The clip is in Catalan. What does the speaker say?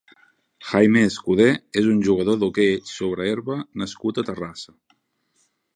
Jaime Escudé és un jugador d'hoquei sobre herba nascut a Terrassa.